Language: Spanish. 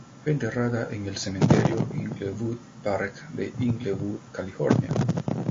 Fue enterrada en el Cementerio Inglewood Park de Inglewood, California.